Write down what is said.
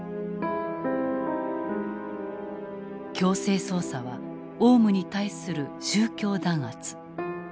「強制捜査はオウムに対する宗教弾圧」。